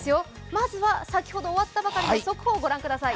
まずは先ほど終わったばかりの速報、御覧ください。